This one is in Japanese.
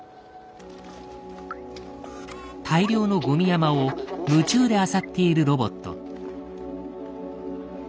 大量のゴミ山を夢中であさっているロボット。